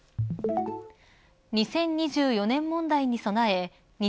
２０２４年問題に備え日